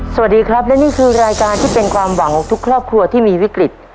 สวัสดีครับและนี่คือรายการที่เป็นความหวังของทุกครอบครัวที่มีวิกฤต